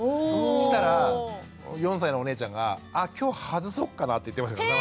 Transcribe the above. したら４歳のお姉ちゃんが「あ今日ハズそっかな？」って言ってました。